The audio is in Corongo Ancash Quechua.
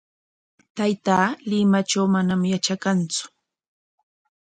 Taytaa Limatraw manam yatrakantsu.